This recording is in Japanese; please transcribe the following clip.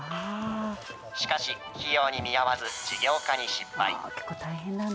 しかし、費用に見合わず、事業化に失敗。